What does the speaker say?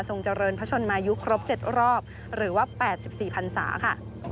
เจริญพระชนมายุครบ๗รอบหรือว่า๘๔พันศาค่ะ